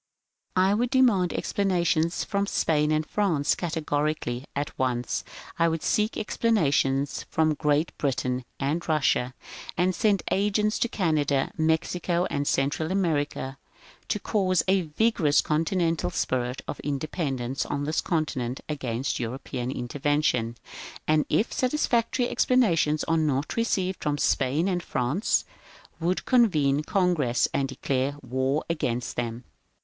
... I would demand explanations from Spain and France, categorically, at once. I would seek explanations from Great Britain and Russia, and send agents into Canada, Mexico, and Central America, to cause a vigorous continental spirit of independence on this continent against European interven tion. And if satisfactory explanations are not received from Spain and France, would convene Congress and declare war against them.